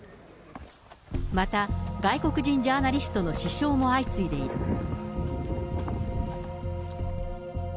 また外国人ジャーナリストの死傷も相次いでいる。